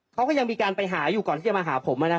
เขาก็ยังมีการไปหาอยู่ก่อนที่จะมาหาผม